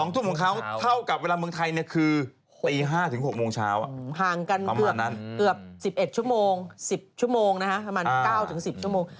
ทุ่มของเขาเท่ากับเวลาเมืองไทยคือตี๕ถึง๖โมงเช้าห่างกันเกือบ๑๑ชั่วโมง๑๐ชั่วโมงนะฮะประมาณ๙๑๐ชั่วโมง